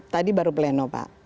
tadi baru pleno pak